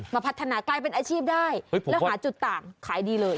มาพัฒนากลายเป็นอาชีพได้แล้วหาจุดต่างขายดีเลย